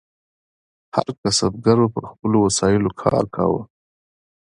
هر کسبګر به په خپلو وسایلو کار کاوه.